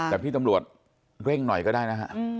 แต่พี่ตำรวจเร่งหน่อยก็ได้นะฮะ